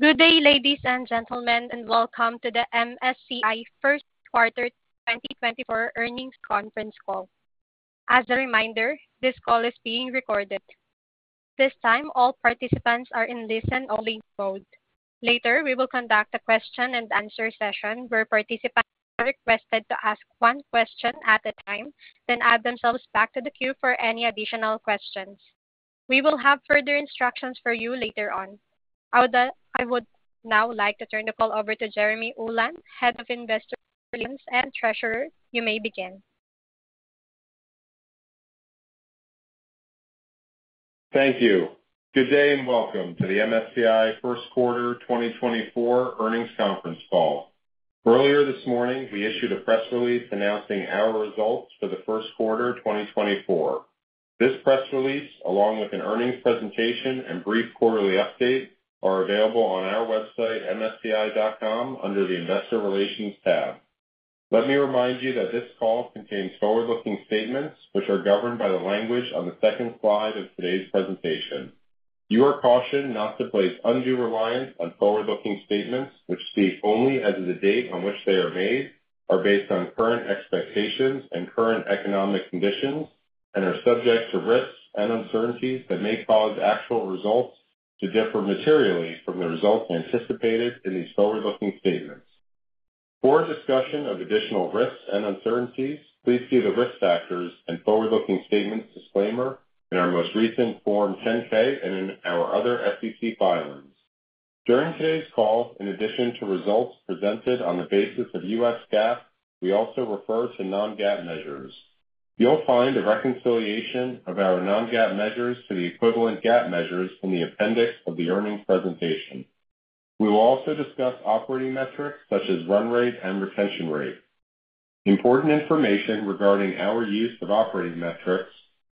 Good day, ladies and gentlemen, and welcome to the MSCI first quarter 2024 earnings conference call. As a reminder, this call is being recorded. This time, all participants are in listen-only mode. Later, we will conduct a question-and-answer session where participants are requested to ask one question at a time, then add themselves back to the queue for any additional questions. We will have further instructions for you later on. I would now like to turn the call over to Jeremy Ulan, Head of Investors and Treasurer. You may begin. Thank you. Good day and welcome to the MSCI first quarter 2024 earnings conference call. Earlier this morning, we issued a press release announcing our results for the first quarter 2024. This press release, along with an earnings presentation and brief quarterly update, are available on our website, MSCI.com, under the Investor Relations tab. Let me remind you that this call contains forward-looking statements which are governed by the language on the second slide of today's presentation. Your caution not to place undue reliance on forward-looking statements which speak only as of the date on which they are made, are based on current expectations and current economic conditions, and are subject to risks and uncertainties that may cause actual results to differ materially from the results anticipated in these forward-looking statements. For discussion of additional risks and uncertainties, please see the risk factors and forward-looking statements disclaimer in our most recent Form 10-K and in our other SEC filings. During today's call, in addition to results presented on the basis of U.S. GAAP, we also refer to non-GAAP measures. You'll find a reconciliation of our non-GAAP measures to the equivalent GAAP measures in the appendix of the earnings presentation. We will also discuss operating metrics such as run rate and retention rate. Important information regarding our use of operating metrics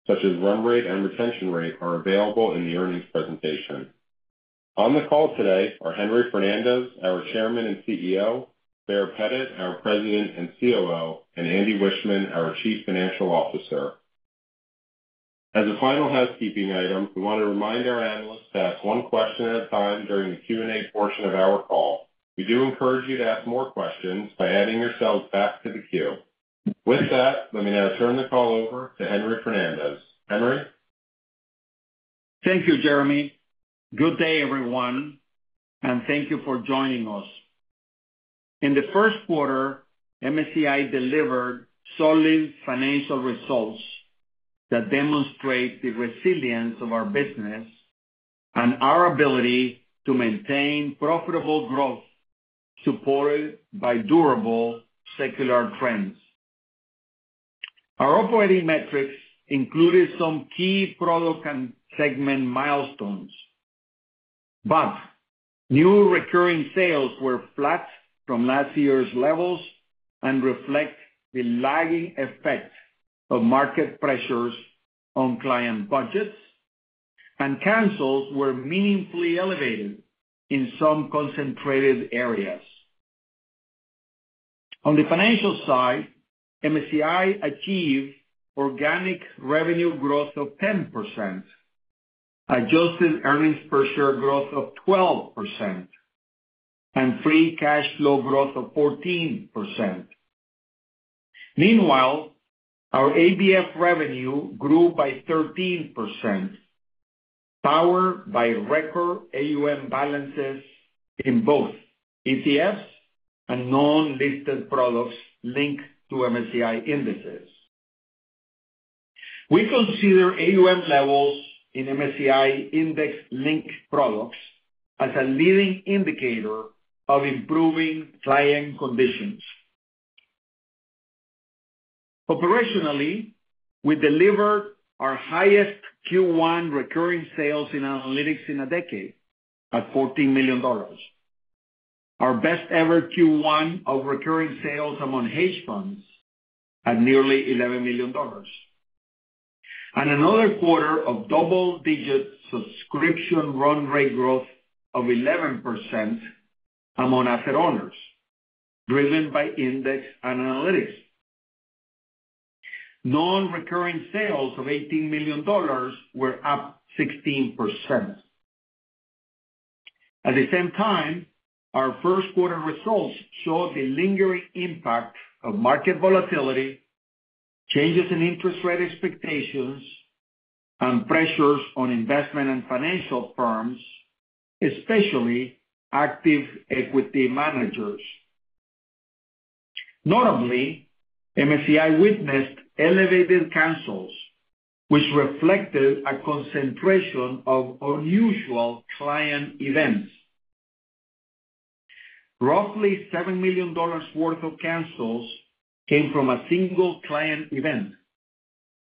such as run rate and retention rate are available in the earnings presentation. On the call today are Henry Fernandez, our Chairman and CEO, Baer Pettit, our President and COO, and Andy Wiechmann, our Chief Financial Officer. As a final housekeeping item, we want to remind our analysts to ask one question at a time during the Q&A portion of our call. We do encourage you to ask more questions by adding yourselves back to the queue. With that, let me now turn the call over to Henry Fernandez. Henry? Thank you, Jeremy. Good day, everyone, and thank you for joining us. In the first quarter, MSCI delivered solid financial results that demonstrate the resilience of our business and our ability to maintain profitable growth supported by durable secular trends. Our operating metrics included some key product and segment milestones, but new recurring sales were flat from last year's levels and reflect the lagging effect of market pressures on client budgets, and cancels were meaningfully elevated in some concentrated areas. On the financial side, MSCI achieved organic revenue growth of 10%, adjusted earnings per share growth of 12%, and free cash flow growth of 14%. Meanwhile, our ABF revenue grew by 13%, powered by record AUM balances in both ETFs and non-listed products linked to MSCI indexes. We consider AUM levels in MSCI index-linked products as a leading indicator of improving client conditions. Operationally, we delivered our highest Q1 recurring sales in analytics in a decade at $14 million, our best-ever Q1 of recurring sales among hedge funds at nearly $11 million, and another quarter of double-digit subscription run rate growth of 11% among asset owners, driven by index analytics. Non-recurring sales of $18 million were up 16%. At the same time, our first quarter results showed the lingering impact of market volatility, changes in interest rate expectations, and pressures on investment and financial firms, especially active equity managers. Notably, MSCI witnessed elevated cancels, which reflected a concentration of unusual client events. Roughly $7 million worth of cancels came from a single client event,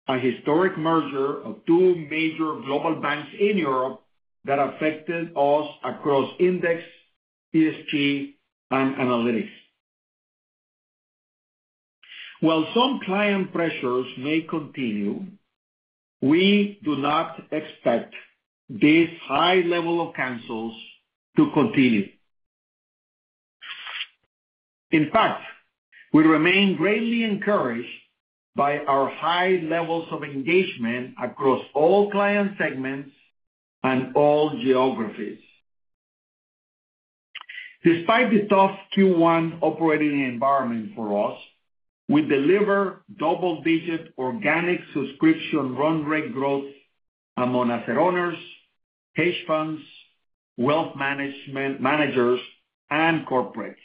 a historic merger of two major global banks in Europe that affected us across index, ESG, and analytics. While some client pressures may continue, we do not expect this high level of cancels to continue. In fact, we remain greatly encouraged by our high levels of engagement across all client segments and all geographies. Despite the tough Q1 operating environment for us, we deliver double-digit organic subscription run rate growth among asset owners, hedge funds, wealth managers, and corporates.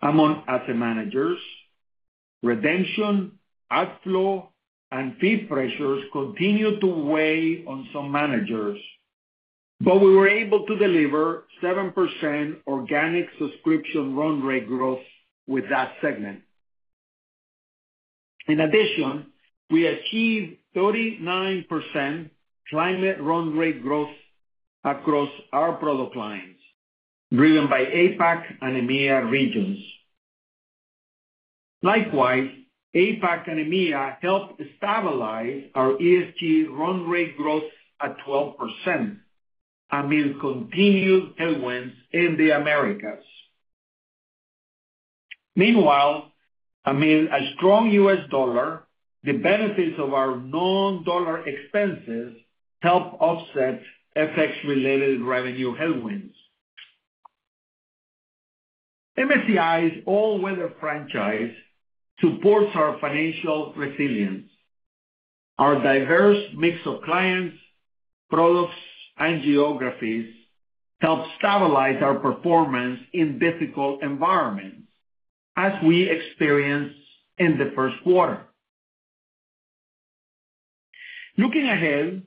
Among asset managers, redemption, outflow, and fee pressures continue to weigh on some managers, but we were able to deliver 7% organic subscription run rate growth with that segment. In addition, we achieved 39% climate run rate growth across our product lines, driven by APAC and EMEA regions. Likewise, APAC and EMEA helped stabilize our ESG run rate growth at 12% amid continued headwinds in the Americas. Meanwhile, amid a strong U.S. dollar, the benefits of our non-dollar expenses help offset FX-related revenue headwinds. MSCI's all-weather franchise supports our financial resilience. Our diverse mix of clients, products, and geographies helps stabilize our performance in difficult environments, as we experienced in the first quarter. Looking ahead,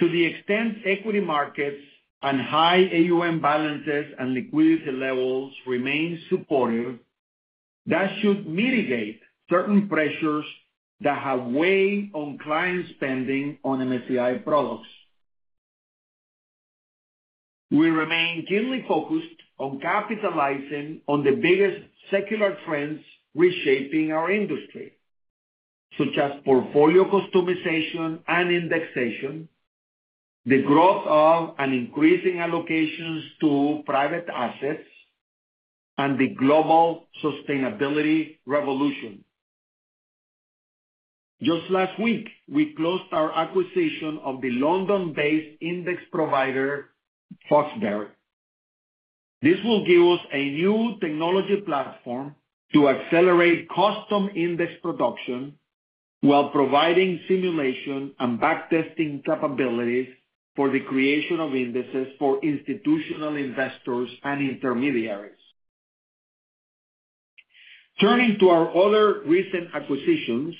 to the extent equity markets and high AUM balances and liquidity levels remain supportive, that should mitigate certain pressures that have weighed on client spending on MSCI products. We remain keenly focused on capitalizing on the biggest secular trends reshaping our industry, such as portfolio customization and indexation, the growth of and increasing allocations to private assets, and the global sustainability revolution. Just last week, we closed our acquisition of the London-based index provider Foxberry. This will give us a new technology platform to accelerate custom index production while providing simulation and backtesting capabilities for the creation of indices for institutional investors and intermediaries. Turning to our other recent acquisitions,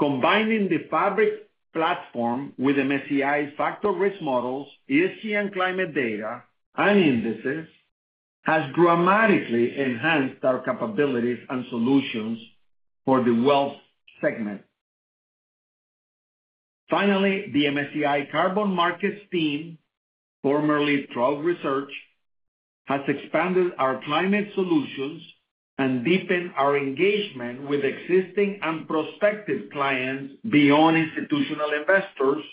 combining the Fabric platform with MSCI's factor risk models, ESG and climate data, and indices has dramatically enhanced our capabilities and solutions for the wealth segment. Finally, the MSCI Carbon Markets team, formerly Trove Research, has expanded our climate solutions and deepened our engagement with existing and prospective clients beyond institutional investors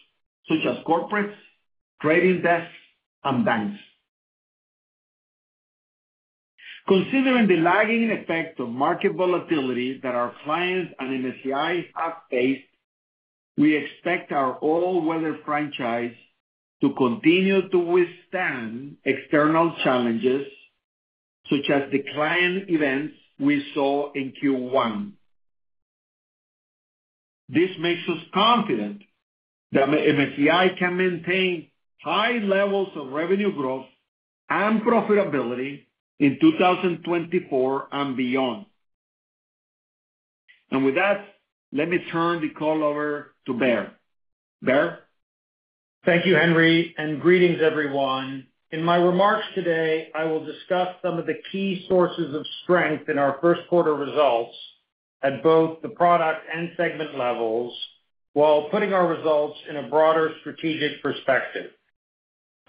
such as corporates, trading desks, and banks. Considering the lagging effect of market volatility that our clients and MSCI have faced, we expect our all-weather franchise to continue to withstand external challenges such as the client events we saw in Q1. This makes us confident that MSCI can maintain high levels of revenue growth and profitability in 2024 and beyond. With that, let me turn the call over to Baer. Baer? Thank you, Henry, and greetings, everyone. In my remarks today, I will discuss some of the key sources of strength in our first quarter results at both the product and segment levels while putting our results in a broader strategic perspective.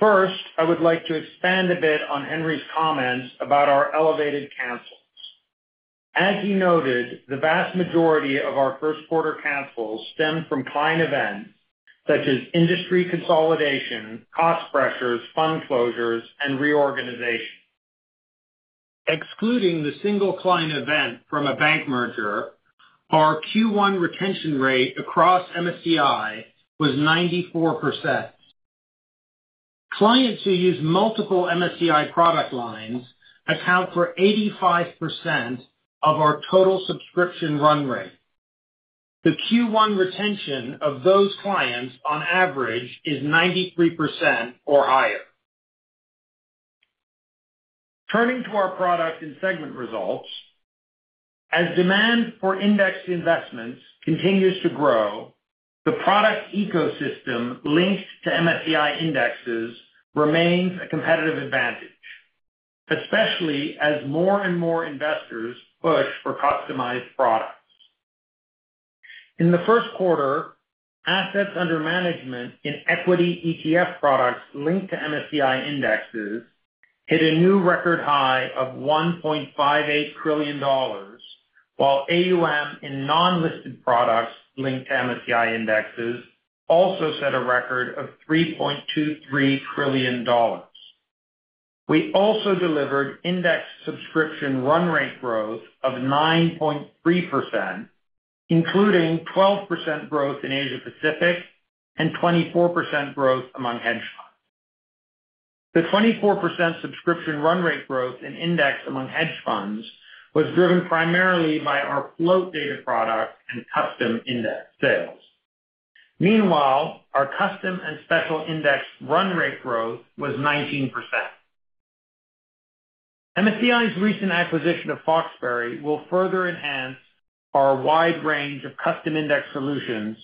First, I would like to expand a bit on Henry's comments about our elevated cancels. As he noted, the vast majority of our first quarter cancels stem from client events such as industry consolidation, cost pressures, fund closures, and reorganization. Excluding the single client event from a bank merger, our Q1 retention rate across MSCI was 94%. Clients who use multiple MSCI product lines account for 85% of our total subscription run rate. The Q1 retention of those clients, on average, is 93% or higher. Turning to our product and segment results, as demand for index investments continues to grow, the product ecosystem linked to MSCI indexes remains a competitive advantage, especially as more and more investors push for customized products. In the first quarter, assets under management in equity ETF products linked to MSCI indexes hit a new record high of $1.58 trillion, while AUM in non-listed products linked to MSCI indexes also set a record of $3.23 trillion. We also delivered index subscription run rate growth of 9.3%, including 12% growth in Asia-Pacific and 24% growth among hedge funds. The 24% subscription run rate growth in index among hedge funds was driven primarily by our Float Data product and custom index sales. Meanwhile, our custom and special index run rate growth was 19%. MSCI's recent acquisition of Foxberry will further enhance our wide range of custom index solutions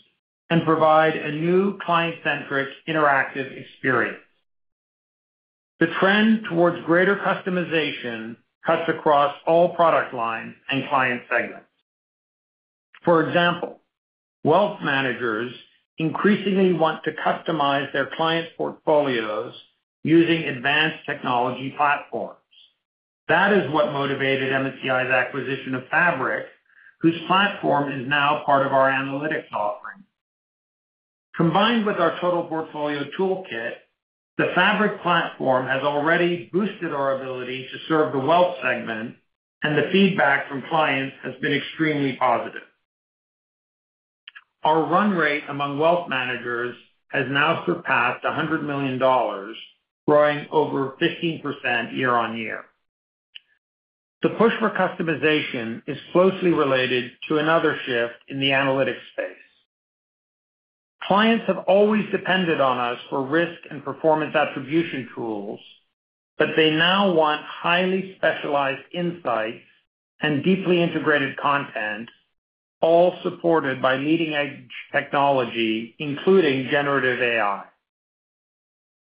and provide a new client-centric interactive experience. The trend towards greater customization cuts across all product lines and client segments. For example, wealth managers increasingly want to customize their client portfolios using advanced technology platforms. That is what motivated MSCI's acquisition of Fabric, whose platform is now part of our analytics offering. Combined with our total portfolio toolkit, the Fabric platform has already boosted our ability to serve the wealth segment, and the feedback from clients has been extremely positive. Our run rate among wealth managers has now surpassed $100 million, growing over 15% year-over-year. The push for customization is closely related to another shift in the analytics space. Clients have always depended on us for risk and performance attribution tools, but they now want highly specialized insights and deeply integrated content, all supported by leading-edge technology, including generative AI.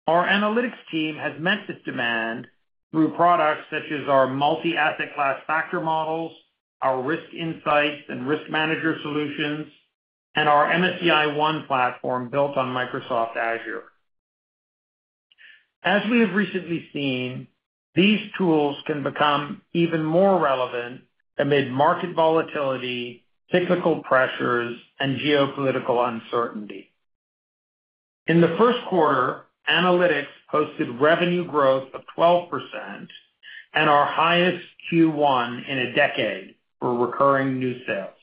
Our Analytics team has met this demand through products such as our multi-asset class factor models, our Risk Insights and RiskManager solutions, and our MSCI One platform built on Microsoft Azure. As we have recently seen, these tools can become even more relevant amid market volatility, cyclical pressures, and geopolitical uncertainty. In the first quarter, Analytics posted revenue growth of 12% and our highest Q1 in a decade for recurring new sales.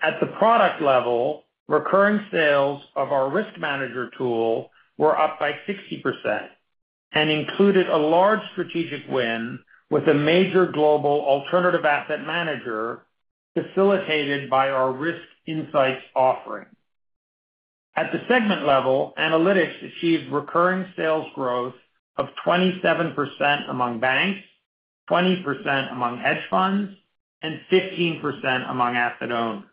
At the product level, recurring sales of our RiskManager tool were up by 60% and included a large strategic win with a major global alternative asset manager facilitated by our Risk Insights offering. At the segment level, analytics achieved recurring sales growth of 27% among banks, 20% among hedge funds, and 15% among asset owners.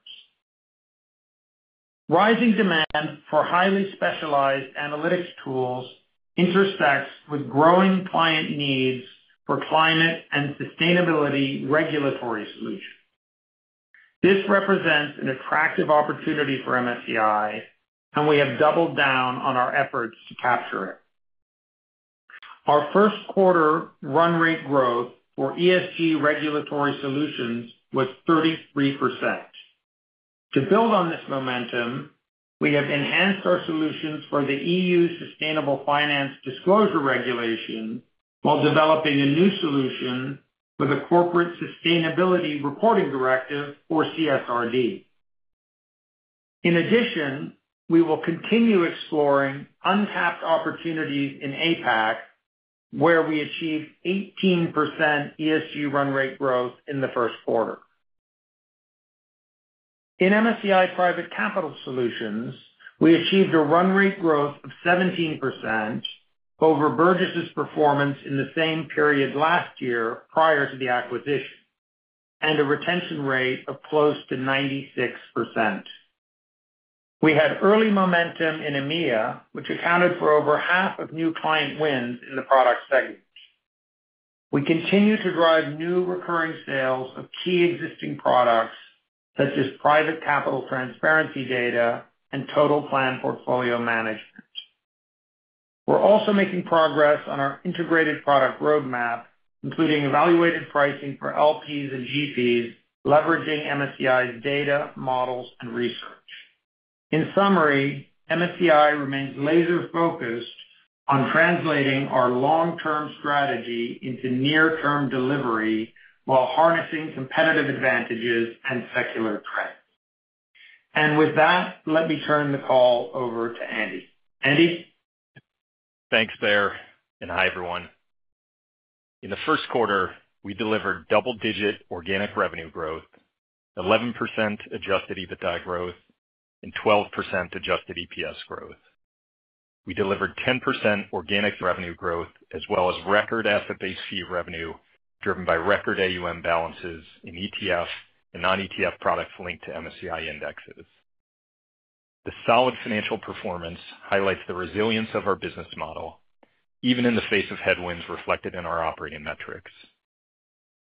Rising demand for highly specialized analytics tools intersects with growing client needs for climate and sustainability regulatory solutions. This represents an attractive opportunity for MSCI, and we have doubled down on our efforts to capture it. Our first quarter run rate growth for ESG regulatory solutions was 33%. To build on this momentum, we have enhanced our solutions for the EU Sustainable Finance Disclosure Regulation while developing a new solution for the Corporate Sustainability Reporting Directive, or CSRD. In addition, we will continue exploring untapped opportunities in APAC, where we achieved 18% ESG run rate growth in the first quarter. In MSCI Private Capital Solutions, we achieved a run rate growth of 17% over Burgiss's performance in the same period last year prior to the acquisition and a retention rate of close to 96%. We had early momentum in EMEA, which accounted for over half of new client wins in the product segments. We continue to drive new recurring sales of key existing products such as private capital transparency data and Total Plan portfolio management. We're also making progress on our integrated product roadmap, including evaluated pricing for LPs and GPs, leveraging MSCI's data, models, and research. In summary, MSCI remains laser-focused on translating our long-term strategy into near-term delivery while harnessing competitive advantages and secular trends. And with that, let me turn the call over to Andy. Andy? Thanks, Baer, and hi, everyone. In the first quarter, we delivered double-digit organic revenue growth, 11% adjusted EBITDA growth, and 12% adjusted EPS growth. We delivered 10% organic revenue growth as well as record asset-based fee revenue driven by record AUM balances in ETF and non-ETF products linked to MSCI indexes. The solid financial performance highlights the resilience of our business model, even in the face of headwinds reflected in our operating metrics.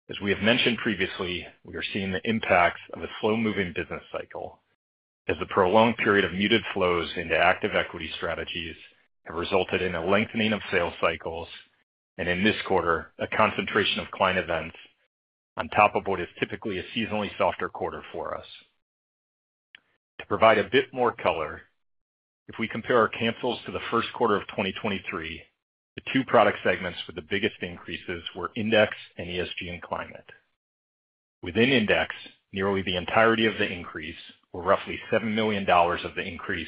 As we have mentioned previously, we are seeing the impacts of a slow-moving business cycle, as the prolonged period of muted flows into active equity strategies have resulted in a lengthening of sales cycles and, in this quarter, a concentration of client events on top of what is typically a seasonally softer quarter for us. To provide a bit more color, if we compare our cancels to the first quarter of 2023, the two product segments with the biggest increases were index and ESG and climate. Within index, nearly the entirety of the increase, or roughly $7 million of the increase,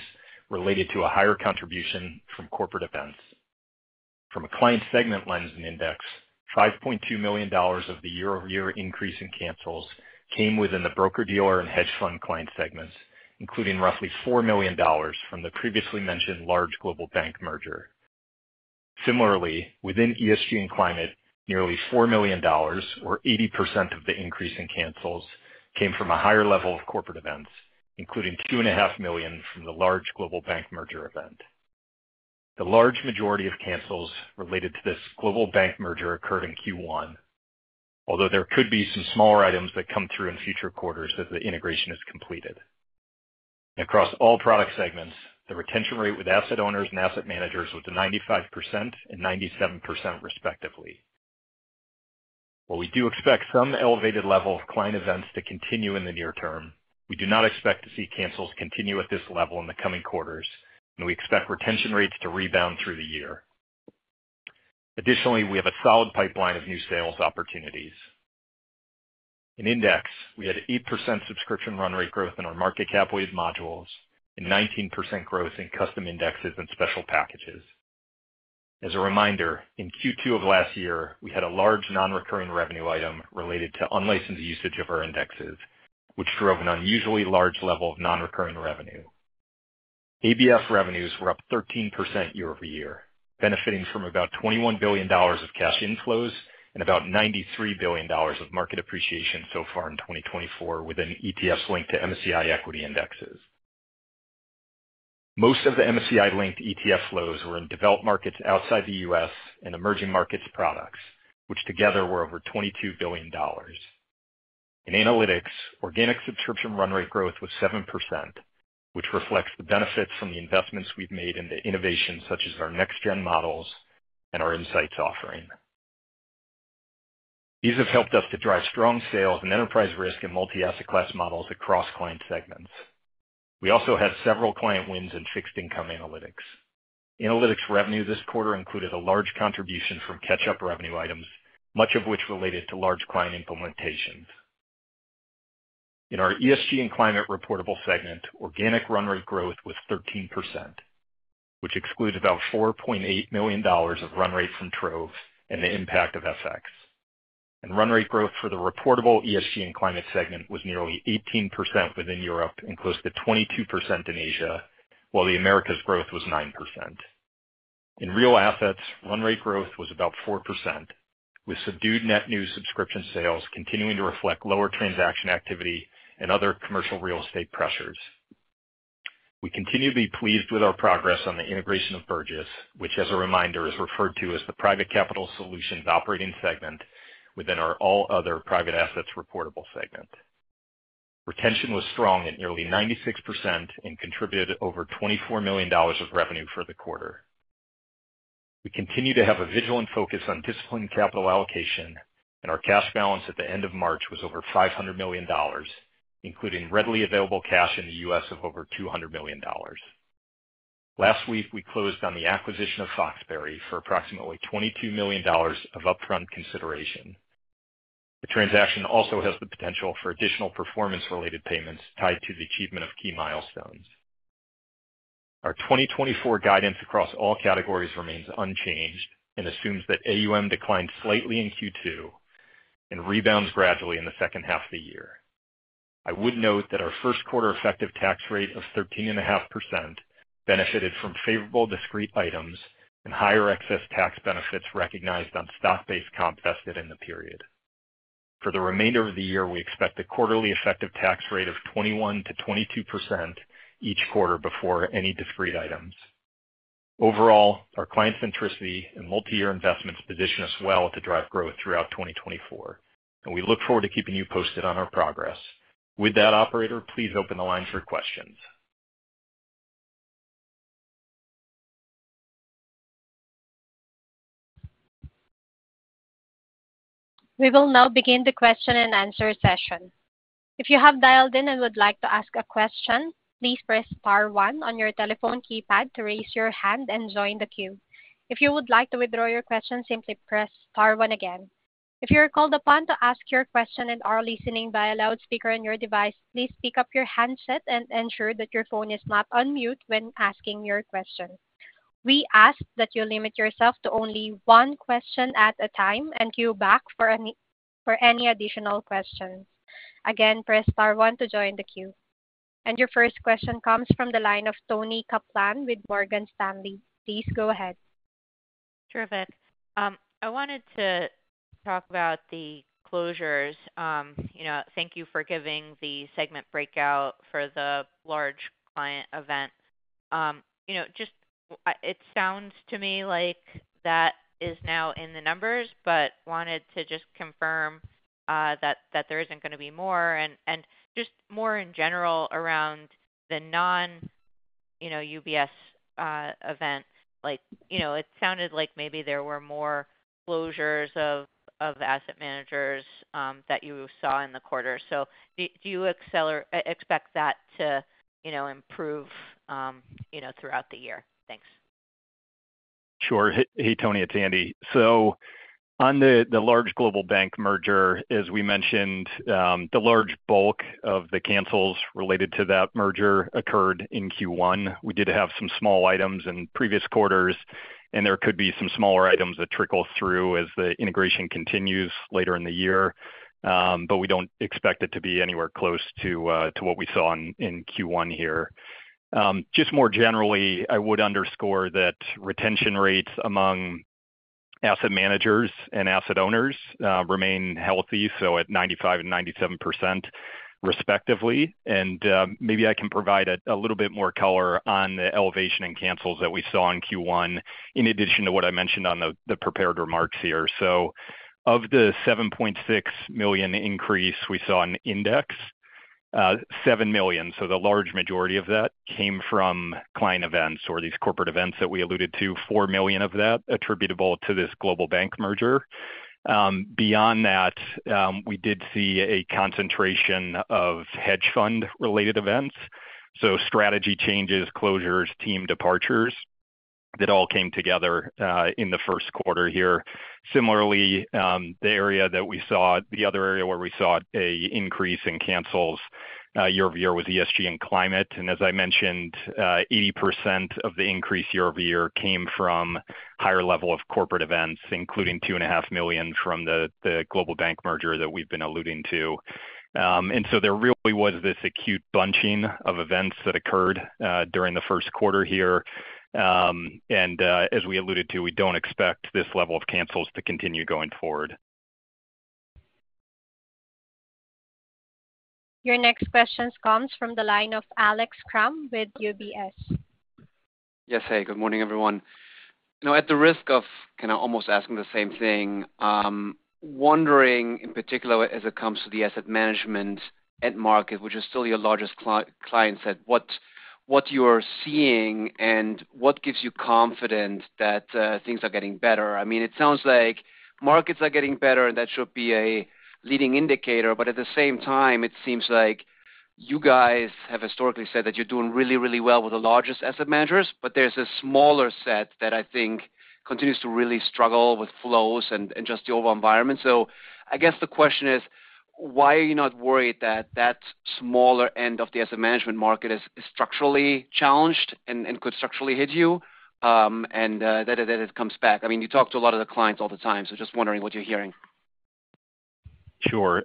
related to a higher contribution from corporate events. From a client segment lens in index, $5.2 million of the year-over-year increase in cancels came within the broker, dealer, and hedge fund client segments, including roughly $4 million from the previously mentioned large global bank merger. Similarly, within ESG and climate, nearly $4 million, or 80% of the increase in cancels, came from a higher level of corporate events, including $2.5 million from the large global bank merger event. The large majority of cancels related to this global bank merger occurred in Q1, although there could be some smaller items that come through in future quarters as the integration is completed. Across all product segments, the retention rate with asset owners and asset managers was 95% and 97%, respectively. While we do expect some elevated level of client events to continue in the near term, we do not expect to see cancels continue at this level in the coming quarters, and we expect retention rates to rebound through the year. Additionally, we have a solid pipeline of new sales opportunities. In index, we had 8% subscription run rate growth in our market cap-weighted modules and 19% growth in custom indexes and special packages. As a reminder, in Q2 of last year, we had a large non-recurring revenue item related to unlicensed usage of our indexes, which drove an unusually large level of non-recurring revenue. ABF revenues were up 13% year-over-year, benefiting from about $21 billion of cash inflows and about $93 billion of market appreciation so far in 2024 within ETFs linked to MSCI equity indexes. Most of the MSCI-linked ETF flows were in developed markets outside the U.S. and emerging markets products, which together were over $22 billion. In analytics, organic subscription run rate growth was 7%, which reflects the benefits from the investments we've made into innovations such as our next-gen models and our insights offering. These have helped us to drive strong sales and enterprise risk in multi-asset class models across client segments. We also had several client wins in fixed income analytics. Analytics revenue this quarter included a large contribution from catch-up revenue items, much of which related to large client implementations. In our ESG and climate reportable segment, organic run rate growth was 13%, which excludes about $4.8 million of run rate from Trove and the impact of FX. Run rate growth for the reportable ESG and climate segment was nearly 18% within Europe and close to 22% in Asia, while the Americas' growth was 9%. In real assets, run rate growth was about 4%, with subdued net new subscription sales continuing to reflect lower transaction activity and other commercial real estate pressures. We continue to be pleased with our progress on the integration of Burgiss, which, as a reminder, is referred to as the Private Capital Solutions operating segment within our All Other Private Assets reportable segment. Retention was strong at nearly 96% and contributed over $24 million of revenue for the quarter. We continue to have a vigilant focus on disciplined capital allocation, and our cash balance at the end of March was over $500 million, including readily available cash in the U.S. of over $200 million. Last week, we closed on the acquisition of Foxberry for approximately $22 million of upfront consideration. The transaction also has the potential for additional performance-related payments tied to the achievement of key milestones. Our 2024 guidance across all categories remains unchanged and assumes that AUM declined slightly in Q2 and rebounds gradually in the second half of the year. I would note that our first-quarter effective tax rate of 13.5% benefited from favorable discrete items and higher excess tax benefits recognized on stock-based comp vested in the period. For the remainder of the year, we expect a quarterly effective tax rate of 21%-22% each quarter before any discrete items. Overall, our client centricity and multi-year investments position us well to drive growth throughout 2024, and we look forward to keeping you posted on our progress. With that, operator, please open the line for questions. We will now begin the question-and-answer session. If you have dialed in and would like to ask a question, please press star one on your telephone keypad to raise your hand and join the queue. If you would like to withdraw your question, simply press star one again. If you are called upon to ask your question and are listening via loudspeaker on your device, please pick up your handset and ensure that your phone is not unmuted when asking your question. We ask that you limit yourself to only one question at a time and queue back for any additional questions. Again, press star one to join the queue. Your first question comes from the line of Toni Kaplan with Morgan Stanley. Please go ahead. Terrific. I wanted to talk about the closures. Thank you for giving the segment breakout for the large client event. It sounds to me like that is now in the numbers, but wanted to just confirm that there isn't going to be more. And just more in general around the non-UBS event, it sounded like maybe there were more closures of asset managers that you saw in the quarter. So do you expect that to improve throughout the year? Thanks. Sure. Hey, Toni, it's Andy. So on the large global bank merger, as we mentioned, the large bulk of the cancels related to that merger occurred in Q1. We did have some small items in previous quarters, and there could be some smaller items that trickle through as the integration continues later in the year. But we don't expect it to be anywhere close to what we saw in Q1 here. Just more generally, I would underscore that retention rates among asset managers and asset owners remain healthy, so at 95% and 97%, respectively. And maybe I can provide a little bit more color on the elevation in cancels that we saw in Q1 in addition to what I mentioned on the prepared remarks here. So of the $7.6 million increase we saw in index, $7 million, so the large majority of that, came from client events or these corporate events that we alluded to, $4 million of that attributable to this global bank merger. Beyond that, we did see a concentration of hedge fund-related events, so strategy changes, closures, team departures. That all came together in the first quarter here. Similarly, the area that we saw, the other area where we saw an increase in cancels year-over-year was ESG and climate. And as I mentioned, 80% of the increase year-over-year came from higher level of corporate events, including $2.5 million from the global bank merger that we've been alluding to. And so there really was this acute bunching of events that occurred during the first quarter here. As we alluded to, we don't expect this level of cancels to continue going forward. Your next question comes from the line of Alex Kramm with UBS. Yes, hey. Good morning, everyone. At the risk of almost asking the same thing, wondering in particular as it comes to the asset management end market, which is still your largest client set, what you are seeing and what gives you confidence that things are getting better? I mean, it sounds like markets are getting better, and that should be a leading indicator. But at the same time, it seems like you guys have historically said that you're doing really, really well with the largest asset managers, but there's a smaller set that I think continues to really struggle with flows and just the overall environment. So I guess the question is, why are you not worried that that smaller end of the asset management market is structurally challenged and could structurally hit you and that it comes back? I mean, you talk to a lot of the clients all the time, so just wondering what you're hearing. Sure.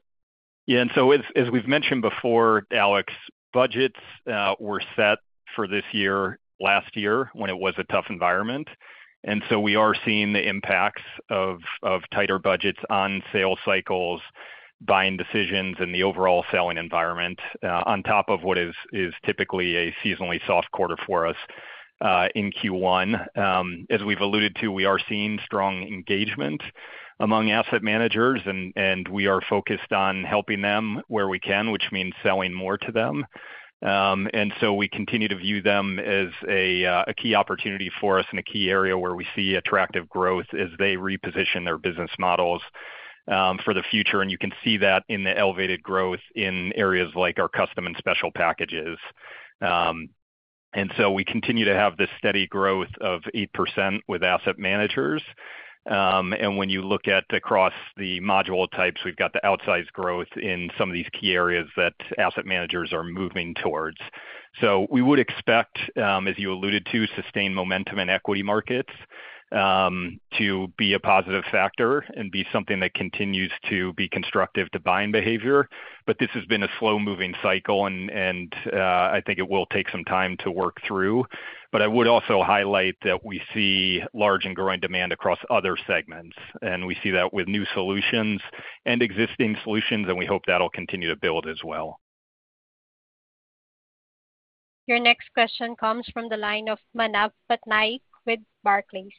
Yeah. And so as we've mentioned before, Alex, budgets were set for this year last year when it was a tough environment. And so we are seeing the impacts of tighter budgets on sales cycles, buying decisions, and the overall selling environment on top of what is typically a seasonally soft quarter for us in Q1. As we've alluded to, we are seeing strong engagement among asset managers, and we are focused on helping them where we can, which means selling more to them. And so we continue to view them as a key opportunity for us and a key area where we see attractive growth as they reposition their business models for the future. And you can see that in the elevated growth in areas like our custom and special packages. And so we continue to have this steady growth of 8% with asset managers. When you look at across the module types, we've got the outsized growth in some of these key areas that asset managers are moving towards. We would expect, as you alluded to, sustained momentum in equity markets to be a positive factor and be something that continues to be constructive to buying behavior. This has been a slow-moving cycle, and I think it will take some time to work through. I would also highlight that we see large and growing demand across other segments. We see that with new solutions and existing solutions, and we hope that'll continue to build as well. Your next question comes from the line of Manav Patnaik with Barclays.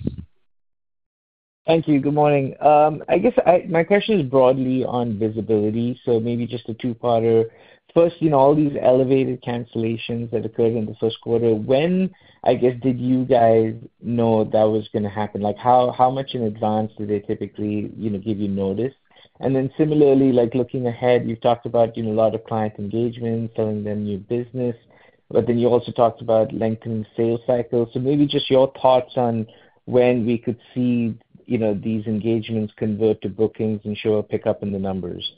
Thank you. Good morning. I guess my question is broadly on visibility, so maybe just a two-parter. First, all these elevated cancellations that occurred in the first quarter, when, I guess, did you guys know that was going to happen? How much in advance did they typically give you notice? And then similarly, looking ahead, you've talked about a lot of client engagement, selling them new business, but then you also talked about lengthening sales cycles. So maybe just your thoughts on when we could see these engagements convert to bookings and show a pickup in the numbers.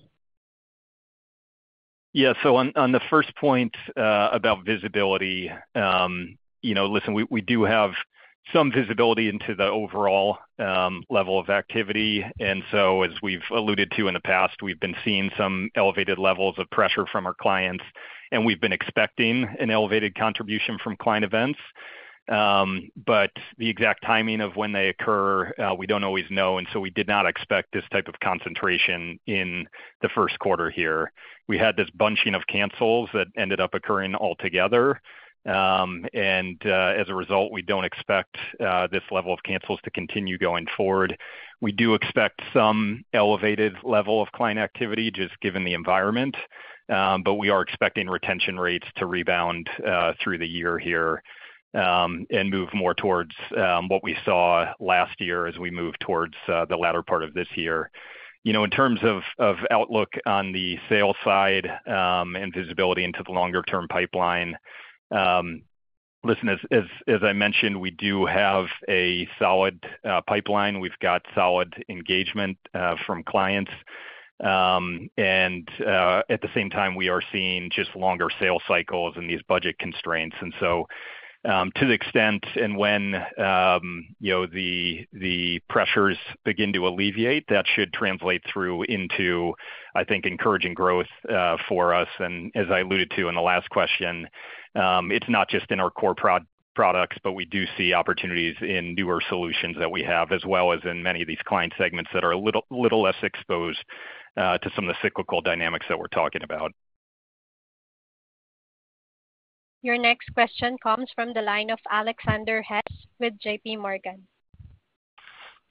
Yeah. On the first point about visibility, listen, we do have some visibility into the overall level of activity. As we've alluded to in the past, we've been seeing some elevated levels of pressure from our clients, and we've been expecting an elevated contribution from client events. The exact timing of when they occur, we don't always know. We did not expect this type of concentration in the first quarter here. We had this bunching of cancels that ended up occurring altogether. As a result, we don't expect this level of cancels to continue going forward. We do expect some elevated level of client activity just given the environment. We are expecting retention rates to rebound through the year here and move more towards what we saw last year as we move towards the latter part of this year. In terms of outlook on the sales side and visibility into the longer-term pipeline, listen, as I mentioned, we do have a solid pipeline. We've got solid engagement from clients. And at the same time, we are seeing just longer sales cycles and these budget constraints. And so to the extent and when the pressures begin to alleviate, that should translate through into, I think, encouraging growth for us. And as I alluded to in the last question, it's not just in our core products, but we do see opportunities in newer solutions that we have as well as in many of these client segments that are a little less exposed to some of the cyclical dynamics that we're talking about. Your next question comes from the line of Alexander Hess with J.P. Morgan.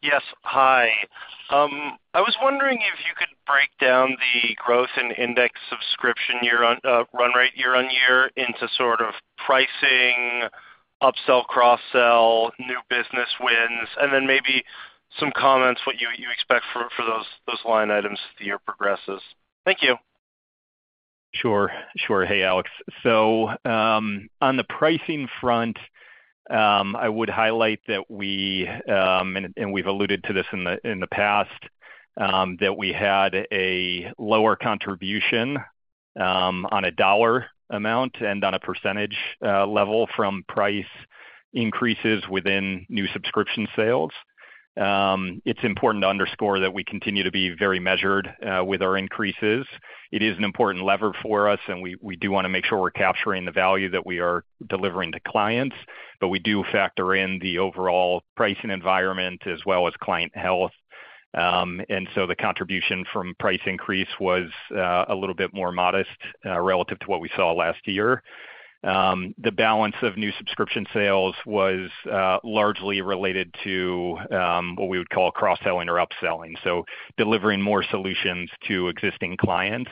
Yes. Hi. I was wondering if you could break down the growth and index subscription run rate year-over-year into sort of pricing, upsell, cross-sell, new business wins, and then maybe some comments, what you expect for those line items as the year progresses. Thank you. Sure. Sure. Hey, Alex. So on the pricing front, I would highlight that we—and we've alluded to this in the past—that we had a lower contribution on a dollar amount and on a percentage level from price increases within new subscription sales. It's important to underscore that we continue to be very measured with our increases. It is an important lever for us, and we do want to make sure we're capturing the value that we are delivering to clients. But we do factor in the overall pricing environment as well as client health. And so the contribution from price increase was a little bit more modest relative to what we saw last year. The balance of new subscription sales was largely related to what we would call cross-selling or upselling, so delivering more solutions to existing clients.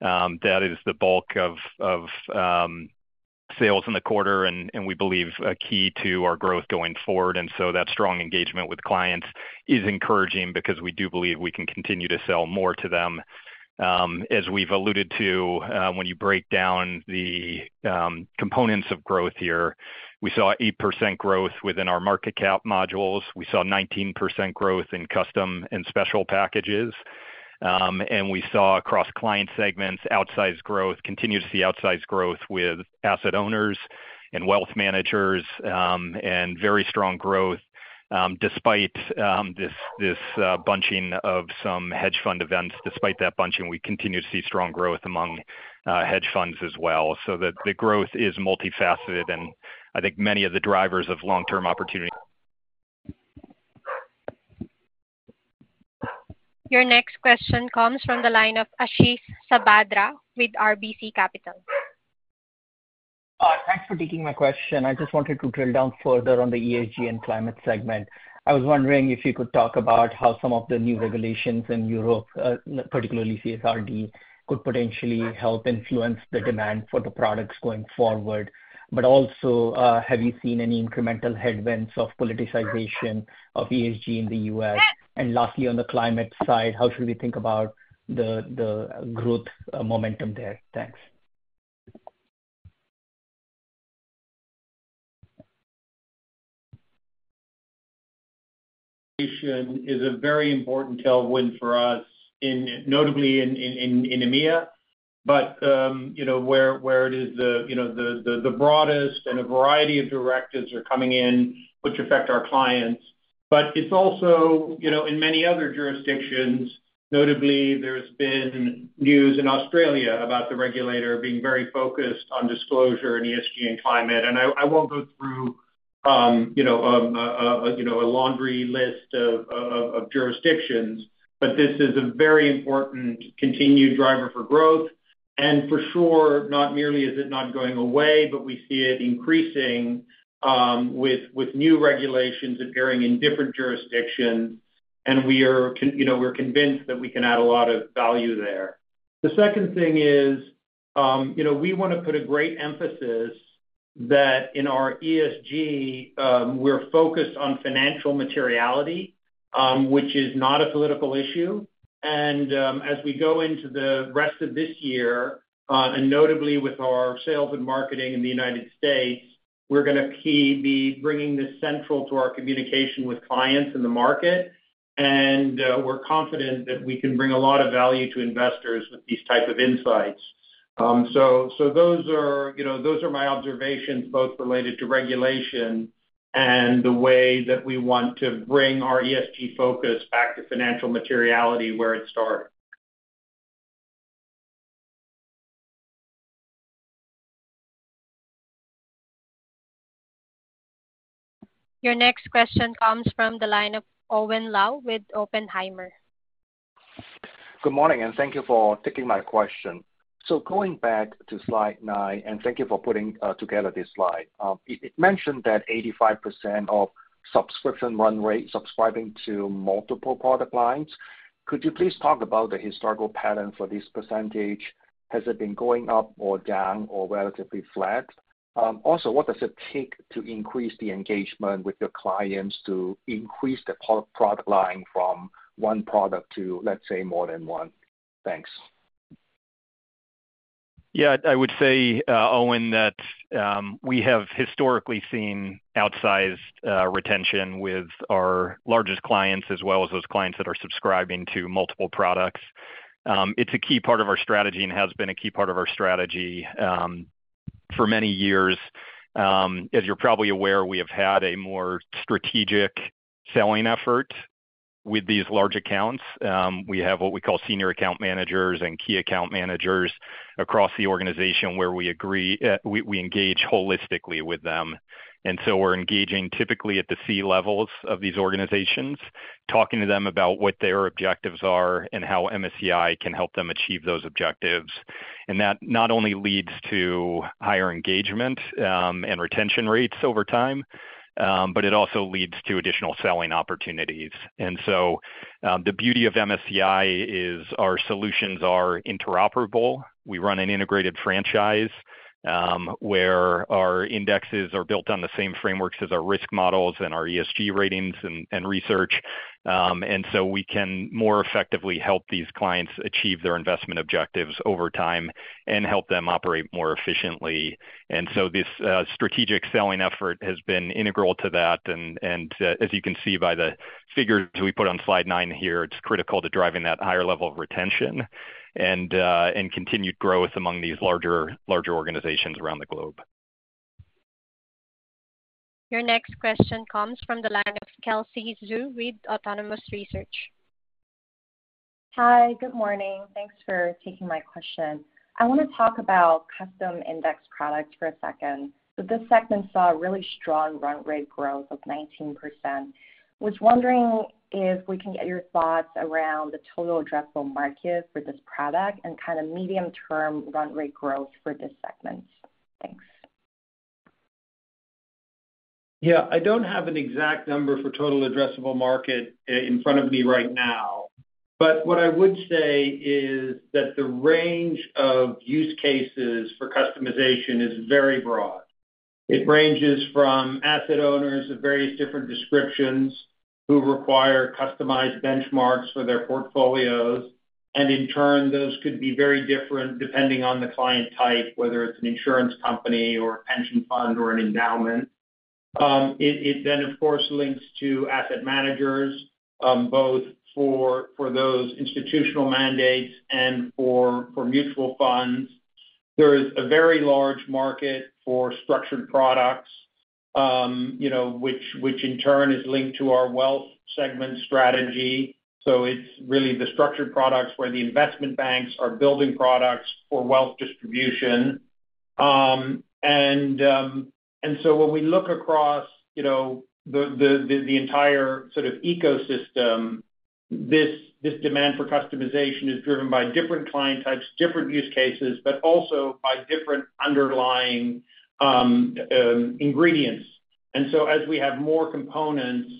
That is the bulk of sales in the quarter, and we believe a key to our growth going forward. So that strong engagement with clients is encouraging because we do believe we can continue to sell more to them. As we've alluded to, when you break down the components of growth here, we saw 8% growth within our market cap modules. We saw 19% growth in custom and special packages. We saw across client segments, outsized growth, continue to see outsized growth with asset owners and wealth managers, and very strong growth despite this bunching of some hedge fund events. Despite that bunching, we continue to see strong growth among hedge funds as well. So the growth is multifaceted, and I think many of the drivers of long-term opportunity. Your next question comes from the line of Ashish Sabadra with RBC Capital. Thanks for taking my question. I just wanted to drill down further on the ESG and climate segment. I was wondering if you could talk about how some of the new regulations in Europe, particularly CSRD, could potentially help influence the demand for the products going forward. But also, have you seen any incremental headwinds of politicization of ESG in the U.S.? And lastly, on the climate side, how should we think about the growth momentum there? Thanks. is a very important tailwind for us, notably in EMEA. But where it is the broadest and a variety of directives are coming in, which affect our clients. But it's also in many other jurisdictions. Notably, there's been news in Australia about the regulator being very focused on disclosure and ESG and climate. And I won't go through a laundry list of jurisdictions, but this is a very important continued driver for growth. And for sure, not merely is it not going away, but we see it increasing with new regulations appearing in different jurisdictions. And we're convinced that we can add a lot of value there. The second thing is we want to put a great emphasis that in our ESG, we're focused on financial materiality, which is not a political issue. As we go into the rest of this year, and notably with our sales and marketing in the United States, we're going to be bringing this central to our communication with clients in the market. We're confident that we can bring a lot of value to investors with these types of insights. Those are my observations, both related to regulation and the way that we want to bring our ESG focus back to financial materiality where it started. Your next question comes from the line of Owen Lau with Oppenheimer. Good morning, and thank you for taking my question. So going back to slide nine, and thank you for putting together this slide. It mentioned that 85% of subscription run rate, subscribing to multiple product lines. Could you please talk about the historical pattern for this percentage? Has it been going up or down or relatively flat? Also, what does it take to increase the engagement with your clients to increase the product line from one product to, let's say, more than one? Thanks. Yeah. I would say, Owen, that we have historically seen outsized retention with our largest clients as well as those clients that are subscribing to multiple products. It's a key part of our strategy and has been a key part of our strategy for many years. As you're probably aware, we have had a more strategic selling effort with these large accounts. We have what we call senior account managers and key account managers across the organization where we engage holistically with them. And so we're engaging typically at the C levels of these organizations, talking to them about what their objectives are and how MSCI can help them achieve those objectives. And that not only leads to higher engagement and retention rates over time, but it also leads to additional selling opportunities. And so the beauty of MSCI is our solutions are interoperable. We run an integrated franchise where our indexes are built on the same frameworks as our risk models and our ESG ratings and research. And so we can more effectively help these clients achieve their investment objectives over time and help them operate more efficiently. And so this strategic selling effort has been integral to that. And as you can see by the figures we put on slide nine here, it's critical to driving that higher level of retention and continued growth among these larger organizations around the globe. Your next question comes from the line of Kelsey Zhu with Autonomous Research. Hi. Good morning. Thanks for taking my question. I want to talk about custom index products for a second. So this segment saw a really strong run rate growth of 19%. Was wondering if we can get your thoughts around the total addressable market for this product and kind of medium-term run rate growth for this segment? Thanks. Yeah. I don't have an exact number for total addressable market in front of me right now. But what I would say is that the range of use cases for customization is very broad. It ranges from asset owners of various different descriptions who require customized benchmarks for their portfolios. And in turn, those could be very different depending on the client type, whether it's an insurance company or a pension fund or an endowment. It then, of course, links to asset managers, both for those institutional mandates and for mutual funds. There is a very large market for structured products, which in turn is linked to our wealth segment strategy. So it's really the structured products where the investment banks are building products for wealth distribution. When we look across the entire sort of ecosystem, this demand for customization is driven by different client types, different use cases, but also by different underlying ingredients. As we have more components,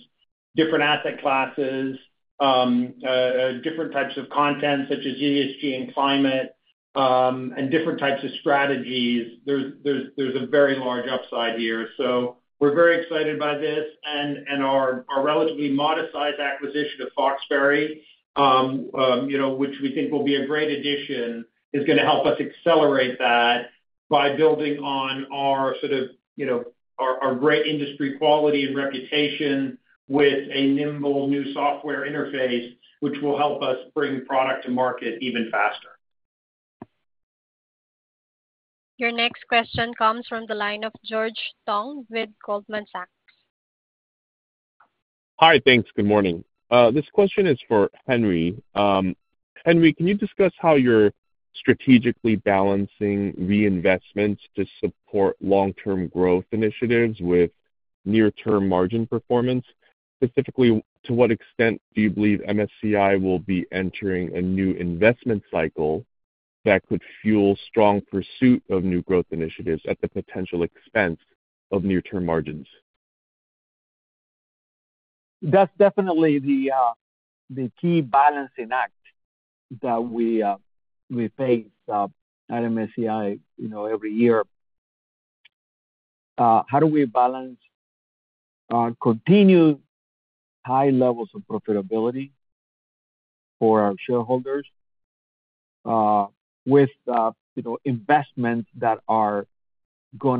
different asset classes, different types of content such as ESG and climate, and different types of strategies, there's a very large upside here. We're very excited by this. Our relatively modest-sized acquisition of Foxberry, which we think will be a great addition, is going to help us accelerate that by building on our sort of great industry quality and reputation with a nimble new software interface, which will help us bring product to market even faster. Your next question comes from the line of George Tong with Goldman Sachs. Hi. Thanks. Good morning. This question is for Henry. Henry, can you discuss how you're strategically balancing reinvestments to support long-term growth initiatives with near-term margin performance? Specifically, to what extent do you believe MSCI will be entering a new investment cycle that could fuel strong pursuit of new growth initiatives at the potential expense of near-term margins? That's definitely the key balancing act that we face at MSCI every year. How do we balance continued high levels of profitability for our shareholders with investments that are going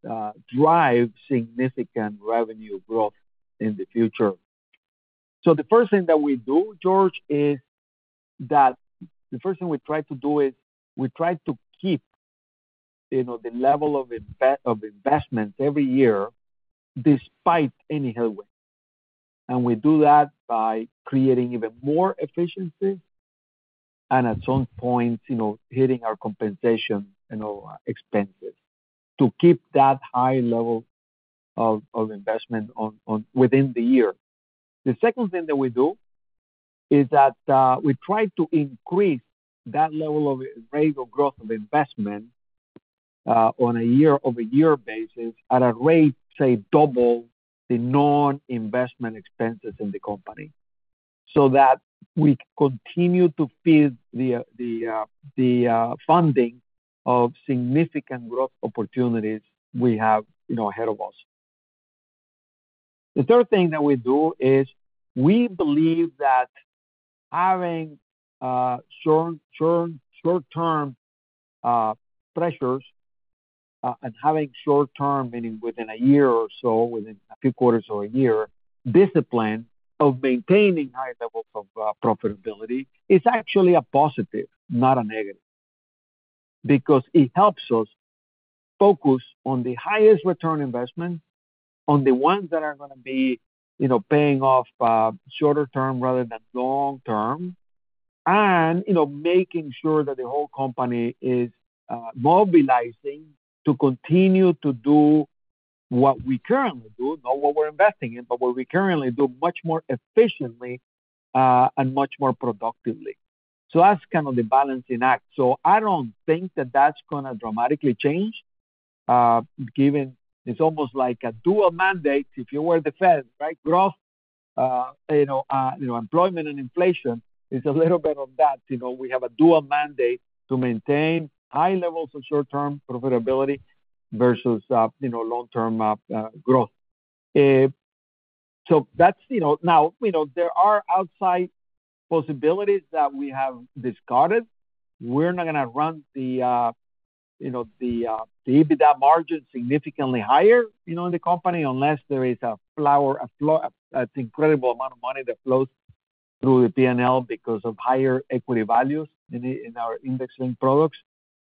to drive significant revenue growth in the future? So the first thing that we do, George, is that the first thing we try to do is we try to keep the level of investments every year despite any headwinds. And we do that by creating even more efficiency and at some point hitting our compensation expenses to keep that high level of investment within the year. The second thing that we do is that we try to increase that level of rate of growth of investment on a year-over-year basis at a rate, say, double the non-investment expenses in the company so that we continue to feed the funding of significant growth opportunities we have ahead of us. The third thing that we do is we believe that having short-term pressures and having short-term, meaning within a year or so, within a few quarters or a year, discipline of maintaining high levels of profitability is actually a positive, not a negative, because it helps us focus on the highest return investment, on the ones that are going to be paying off shorter term rather than long term, and making sure that the whole company is mobilizing to continue to do what we currently do, not what we're investing in, but what we currently do much more efficiently and much more productively. So that's kind of the balancing act. So I don't think that that's going to dramatically change given it's almost like a dual mandate. If you were the Fed, right? Growth, employment, and inflation is a little bit of that. We have a dual mandate to maintain high levels of short-term profitability versus long-term growth. So now, there are outside possibilities that we have discarded. We're not going to run the EBITDA margin significantly higher in the company unless there is an incredible amount of money that flows through the P&L because of higher equity values in our index-linked products.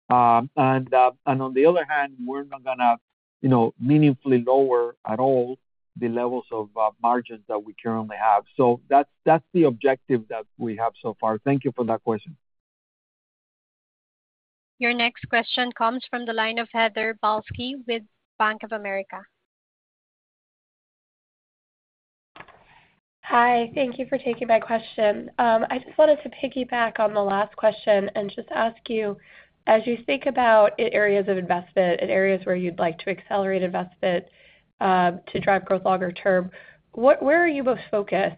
And on the other hand, we're not going to meaningfully lower at all the levels of margins that we currently have. So that's the objective that we have so far. Thank you for that question. Your next question comes from the line of Heather Balsky with Bank of America. Hi. Thank you for taking my question. I just wanted to piggyback on the last question and just ask you, as you think about areas of investment and areas where you'd like to accelerate investment to drive growth longer term, where are you most focused?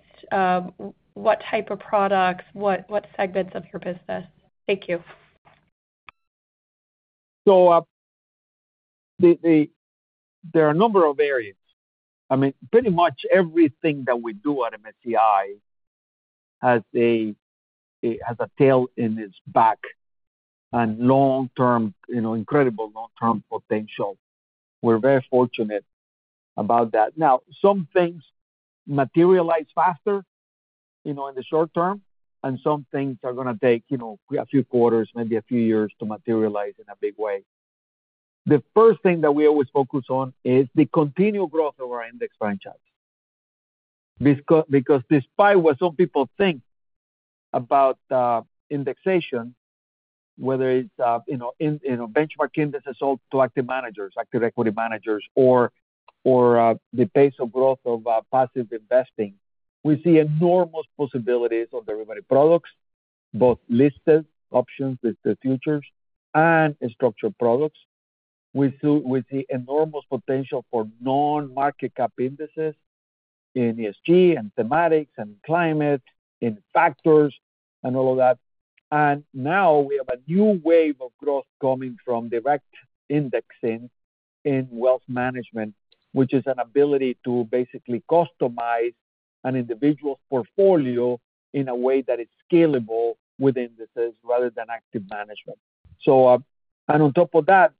What type of products, what segments of your business? Thank you. There are a number of areas. I mean, pretty much everything that we do at MSCI has a tail in its back and incredible long-term potential. We're very fortunate about that. Now, some things materialize faster in the short term, and some things are going to take a few quarters, maybe a few years to materialize in a big way. The first thing that we always focus on is the continual growth of our index franchise because despite what some people think about indexation, whether it's benchmark indexes to active managers, active equity managers, or the pace of growth of passive investing, we see enormous possibilities on derivative products, both listed options, listed futures, and structured products. We see enormous potential for non-market cap indices in ESG and thematics and climate and factors and all of that. And now, we have a new wave of growth coming from direct indexing in wealth management, which is an ability to basically customize an individual's portfolio in a way that is scalable with indices rather than active management. And on top of that,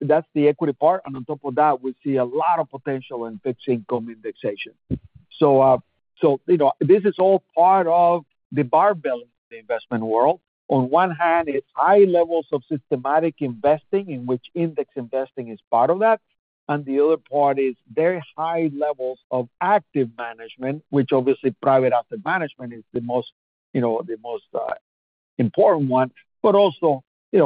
that's the equity part. And on top of that, we see a lot of potential in fixed income indexation. So this is all part of the barbell in the investment world. On one hand, it's high levels of systematic investing in which index investing is part of that. And the other part is very high levels of active management, which obviously, private asset management is the most important one, but also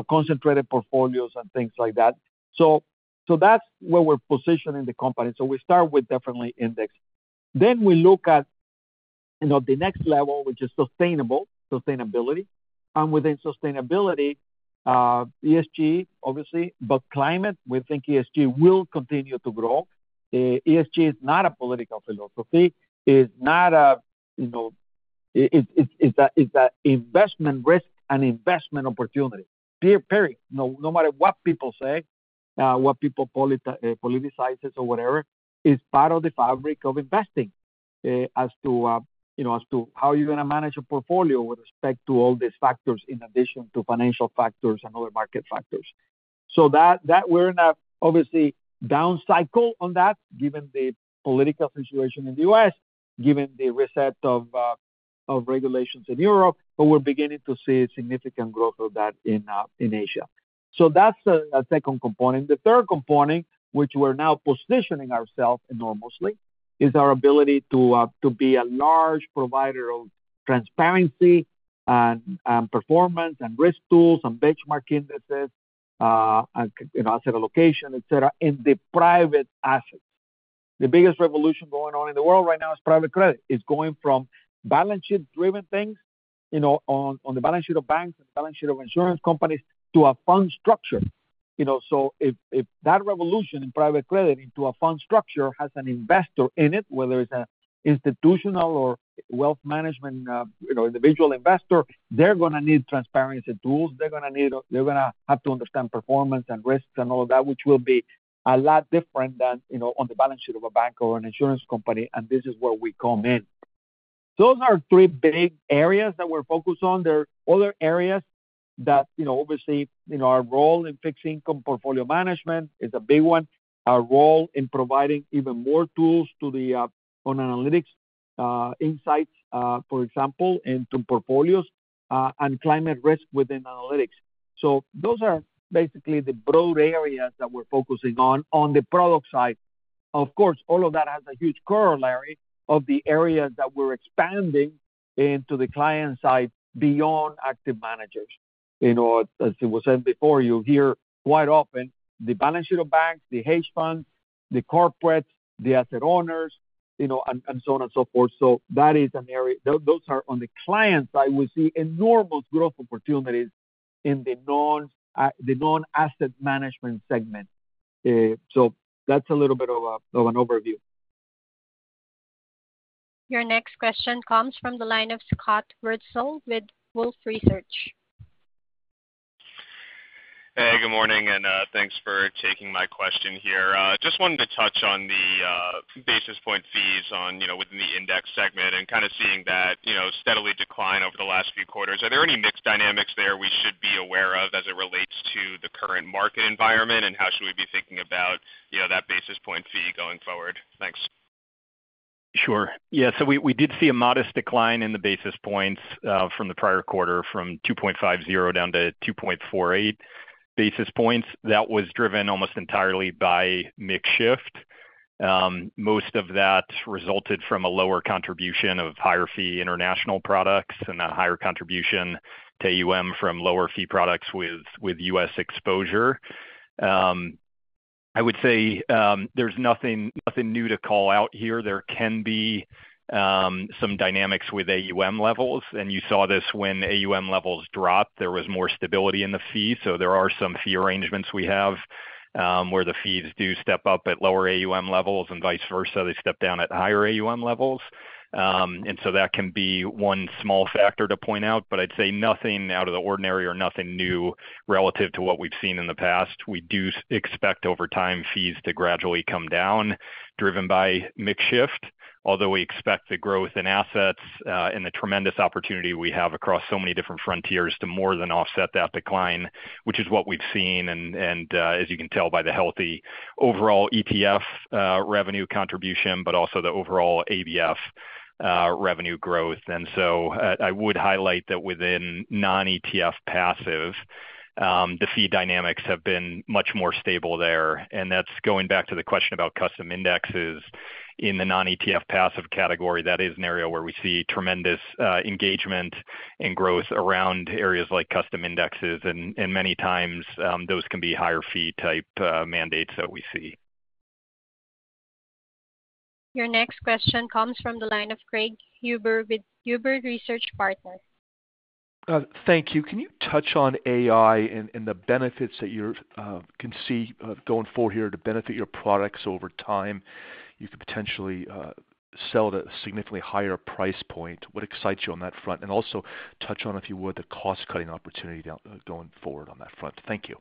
concentrated portfolios and things like that. So that's where we're positioning the company. So we start with definitely index. Then we look at the next level, which is sustainability. Within sustainability, ESG, obviously, but climate, we think ESG will continue to grow. ESG is not a political philosophy. It's not; it's an investment risk and investment opportunity. Period. No matter what people say, what people politicize it or whatever, is part of the fabric of investing as to how you're going to manage a portfolio with respect to all these factors in addition to financial factors and other market factors. So we're in a, obviously, down cycle on that given the political situation in the U.S., given the reset of regulations in Europe, but we're beginning to see significant growth of that in Asia. So that's a second component. The third component, which we're now positioning ourselves enormously, is our ability to be a large provider of transparency and performance and risk tools and benchmark indices and asset allocation, etc., in the private assets. The biggest revolution going on in the world right now is private credit. It's going from balance sheet-driven things on the balance sheet of banks and the balance sheet of insurance companies to a fund structure. So if that revolution in private credit into a fund structure has an investor in it, whether it's an institutional or wealth management individual investor, they're going to need transparency tools. They're going to need. They're going to have to understand performance and risks and all of that, which will be a lot different than on the balance sheet of a bank or an insurance company. This is where we come in. Those are three big areas that we're focused on. There are other areas that, obviously, our role in fixed income portfolio management is a big one, our role in providing even more tools on analytics insights, for example, into portfolios and climate risk within analytics. So those are basically the broad areas that we're focusing on on the product side. Of course, all of that has a huge corollary of the areas that we're expanding into the client side beyond active managers. As it was said before, you hear quite often, "The balance sheet of banks, the hedge funds, the corporates, the asset owners," and so on and so forth. So that is an area. Those are on the client side, we see enormous growth opportunities in the non-asset management segment. So that's a little bit of an overview. Your next question comes from the line of Scott Wurtzel with Wolfe Research. Hey. Good morning. Thanks for taking my question here. Just wanted to touch on the basis point fees within the index segment and kind of seeing that steadily decline over the last few quarters. Are there any mixed dynamics there we should be aware of as it relates to the current market environment, and how should we be thinking about that basis point fee going forward? Thanks. Sure. Yeah. So we did see a modest decline in the basis points from the prior quarter from 2.50 down to 2.48 basis points. That was driven almost entirely by mix shift. Most of that resulted from a lower contribution of higher-fee international products and a higher contribution to AUM from lower-fee products with U.S. exposure. I would say there's nothing new to call out here. There can be some dynamics with AUM levels. And you saw this when AUM levels dropped. There was more stability in the fee. So there are some fee arrangements we have where the fees do step up at lower AUM levels and vice versa. They step down at higher AUM levels. And so that can be one small factor to point out, but I'd say nothing out of the ordinary or nothing new relative to what we've seen in the past. We do expect over time fees to gradually come down driven by mix shift, although we expect the growth in assets and the tremendous opportunity we have across so many different frontiers to more than offset that decline, which is what we've seen, and as you can tell by the healthy overall ETF revenue contribution, but also the overall ABF revenue growth. And so I would highlight that within non-ETF passive, the fee dynamics have been much more stable there. And that's going back to the question about custom indexes. In the non-ETF passive category, that is an area where we see tremendous engagement and growth around areas like custom indexes. And many times, those can be higher-fee type mandates that we see. Your next question comes from the line of Craig Huber with Huber Research Partners. Thank you. Can you touch on AI and the benefits that you can see going forward here to benefit your products over time? You could potentially sell it at a significantly higher price point. What excites you on that front? And also touch on, if you would, the cost-cutting opportunity going forward on that front. Thank you.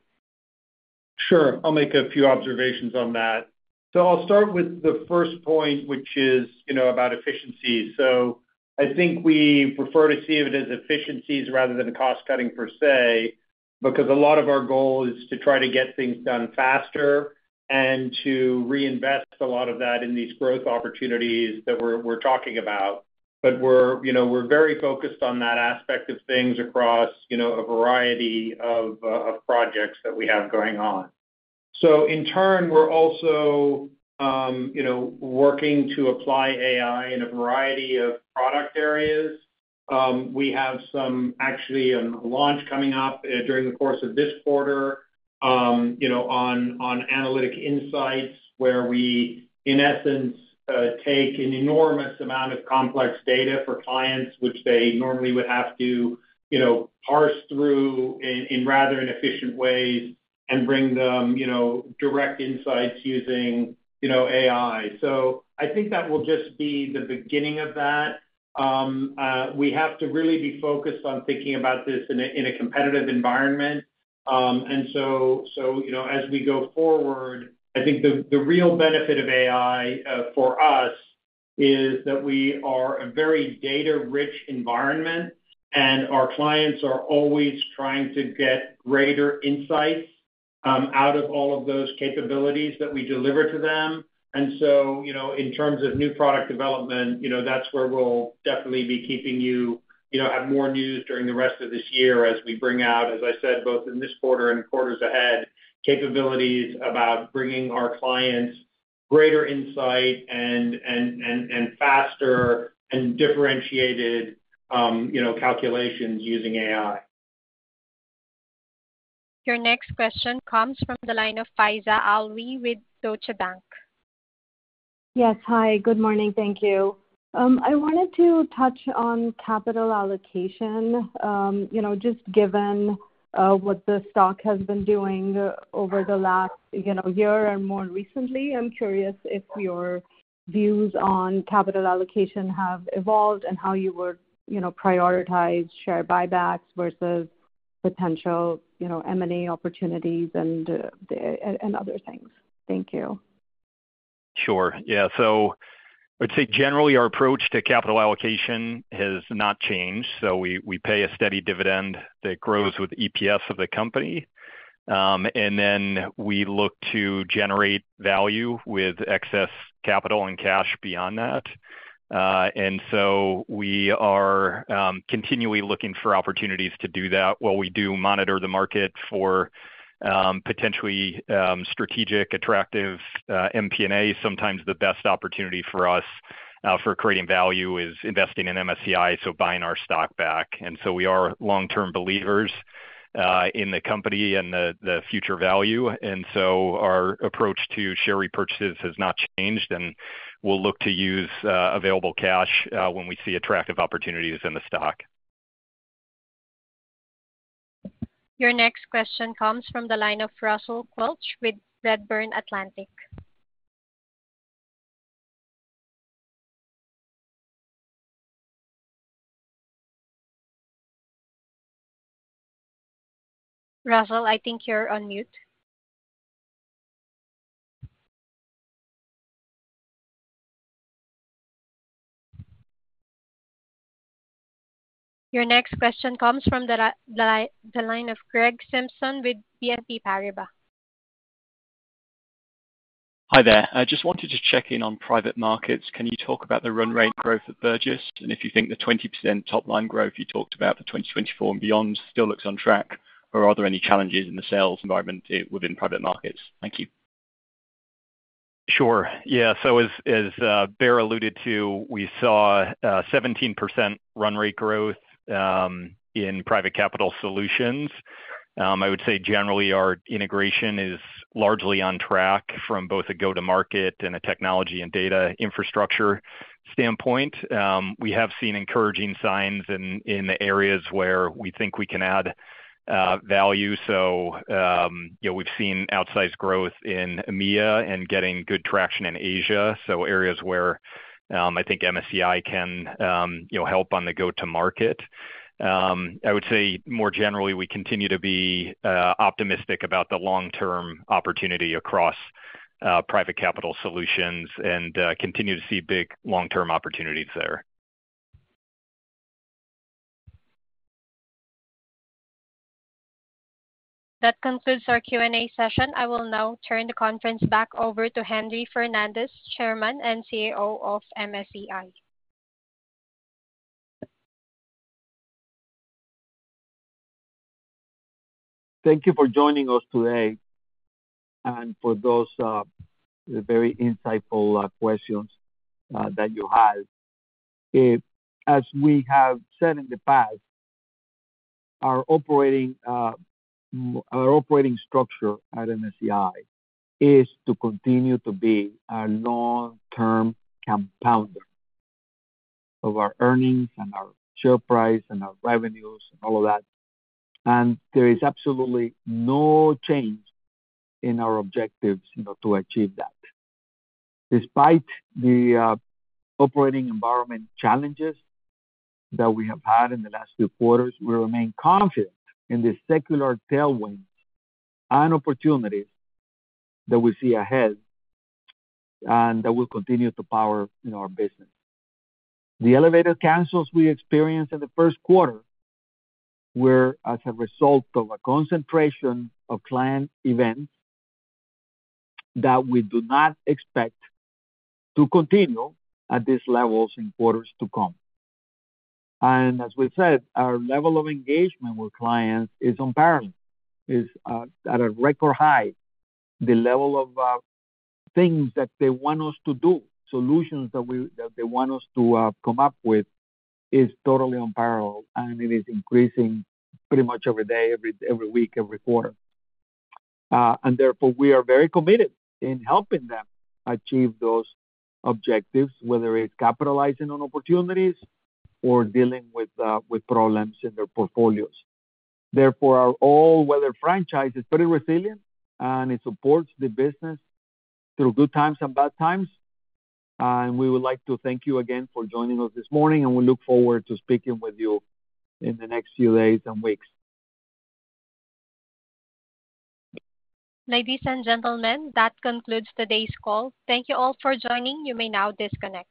Sure. I'll make a few observations on that. So I'll start with the first point, which is about efficiencies. So I think we prefer to see it as efficiencies rather than cost-cutting per se because a lot of our goal is to try to get things done faster and to reinvest a lot of that in these growth opportunities that we're talking about. But we're very focused on that aspect of things across a variety of projects that we have going on. So in turn, we're also working to apply AI in a variety of product areas. We have actually a launch coming up during the course of this quarter on analytic insights where we, in essence, take an enormous amount of complex data for clients, which they normally would have to parse through in rather inefficient ways and bring them direct insights using AI. So I think that will just be the beginning of that. We have to really be focused on thinking about this in a competitive environment. And so as we go forward, I think the real benefit of AI for us is that we are a very data-rich environment, and our clients are always trying to get greater insights out of all of those capabilities that we deliver to them. And so in terms of new product development, that's where we'll definitely have more news during the rest of this year as we bring out, as I said, both in this quarter and quarters ahead, capabilities about bringing our clients greater insight and faster and differentiated calculations using AI. Your next question comes from the line of Faiza Alwy with Deutsche Bank. Yes. Hi. Good morning. Thank you. I wanted to touch on capital allocation just given what the stock has been doing over the last year and more recently. I'm curious if your views on capital allocation have evolved and how you would prioritize share buybacks versus potential M&A opportunities and other things. Thank you. Sure. Yeah. So I'd say generally, our approach to capital allocation has not changed. So we pay a steady dividend that grows with EPS of the company. And then we look to generate value with excess capital and cash beyond that. And so we are continually looking for opportunities to do that. While we do monitor the market for potentially strategic, attractive M&A, sometimes the best opportunity for us for creating value is investing in MSCI, so buying our stock back. And so we are long-term believers in the company and the future value. And so our approach to share repurchases has not changed. And we'll look to use available cash when we see attractive opportunities in the stock. Your next question comes from the line of Russell Quelch with Redburn Atlantic. Russell, I think you're on mute. Your next question comes from the line of Greg Simpson with BNP Paribas. Hi there. I just wanted to check in on private markets. Can you talk about the run rate growth at Burgiss and if you think the 20% top-line growth you talked about for 2024 and beyond still looks on track, or are there any challenges in the sales environment within private markets? Thank you. Sure. Yeah. So as Baer alluded to, we saw 17% run rate growth in private capital solutions. I would say generally, our integration is largely on track from both a go-to-market and a technology and data infrastructure standpoint. We have seen encouraging signs in the areas where we think we can add value. So we've seen outsized growth in EMEA and getting good traction in Asia, so areas where I think MSCI can help on the go-to-market. I would say more generally, we continue to be optimistic about the long-term opportunity across private capital solutions and continue to see big long-term opportunities there. That concludes our Q&A session. I will now turn the conference back over to Henry Fernandez, Chairman and CEO of MSCI. Thank you for joining us today and for those very insightful questions that you had. As we have said in the past, our operating structure at MSCI is to continue to be a long-term compounder of our earnings and our share price and our revenues and all of that. There is absolutely no change in our objectives to achieve that. Despite the operating environment challenges that we have had in the last few quarters, we remain confident in the secular tailwinds and opportunities that we see ahead and that will continue to power our business. The elevated cancels we experienced in the first quarter were as a result of a concentration of client events that we do not expect to continue at these levels in quarters to come. As we said, our level of engagement with clients is unparalleled. It's at a record high. The level of things that they want us to do, solutions that they want us to come up with, is totally unparalleled, and it is increasing pretty much every day, every week, every quarter. Therefore, we are very committed in helping them achieve those objectives, whether it's capitalizing on opportunities or dealing with problems in their portfolios. Therefore, our all-weather franchise is pretty resilient, and it supports the business through good times and bad times. We would like to thank you again for joining us this morning, and we look forward to speaking with you in the next few days and weeks. Ladies and gentlemen, that concludes today's call. Thank you all for joining. You may now disconnect.